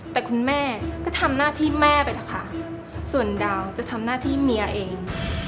แต่คุณแม่ก็ทำหน้าที่แม่ไปเถอะค่ะส่วนดาวจะทำหน้าที่เมียเอง